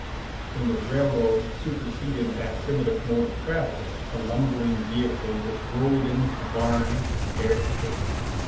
When the railroad superseded that primitive mode of travel, the lumbering vehicle was rolled in the barn, and there it stayed.